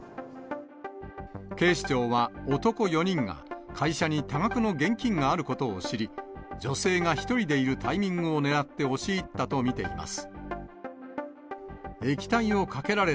警視庁は、男４人が会社に多額の現金があることを知り、女性が１人でいるタイミングを狙って押し入ったと見ています。